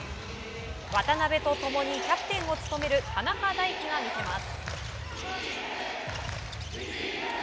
渡邊と共にキャプテンを務める田中大貴が見せます。